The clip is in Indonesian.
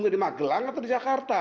nggak di magelang atau di jakarta